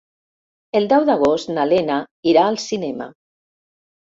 El deu d'agost na Lena irà al cinema.